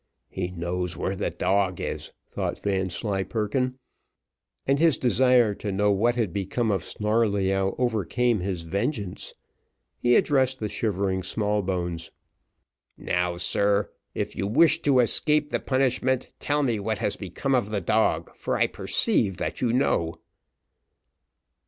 He knows where the dog is, thought Vanslyperken, and his desire to know what had become of Snarleyyow overcame his vengeance he addressed the shivering Smallbones. "Now, sir, if you wish to escape the punishment, tell me what has become of the dog, for I perceive that you know."